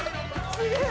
「すげえ！」